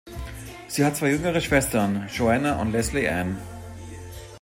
Sie hat zwei jüngere Schwestern, Joanna und Lesley Anne.